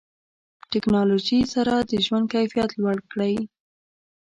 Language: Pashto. ټکنالوژي سره د ژوند کیفیت لوړ کړئ.